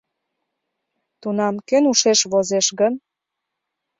— Тунам кӧн ушеш возеш гын?